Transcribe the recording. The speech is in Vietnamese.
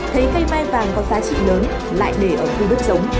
thấy cây mai vàng có giá trị lớn lại để ở khu đất giống